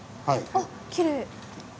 あっきれい。